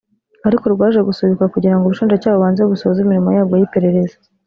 ariko rwaje gusubikwa kugira ngo Ubushinjacyaha bubanze busoze imirimo yabwo y’iperereza